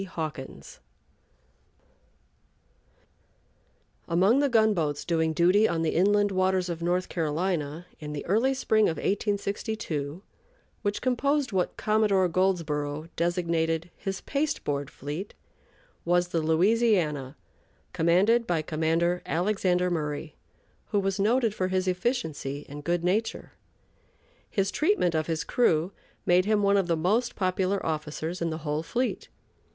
Hawkins Among the gunboats doing duty on the inland waters of North Carolina in the early spring of 1862, which composed what Commodore Goldsborough designated his "Pasteboard Fleet," was the Louisiana, commanded by Commander Alexander Murray, who was noted for his efficiency and good nature. His treatment of his crew made him one of the most popular officers in the whole fleet.